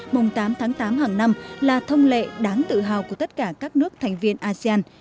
mùng tám tháng tám hàng năm là thông lệ đáng tự hào của tất cả các nước thành viên asean